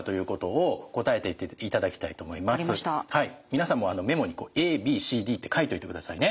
皆さんもメモにＡＢＣＤって書いといてくださいね。